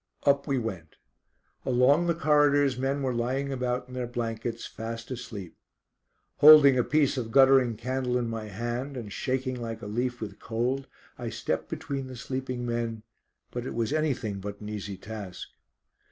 Up we went. Along the corridors men were lying about in their blankets, fast asleep. Holding a piece of guttering candle in my hand, and shaking like a leaf with cold, I stepped between the sleeping men; but it was anything but an easy task.